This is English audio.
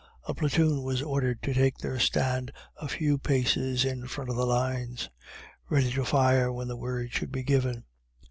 A platoon was ordered to take their stand a few paces in front of the lines, ready to fire when the word should be given.